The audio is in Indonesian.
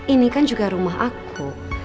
ini kan juga rumah aku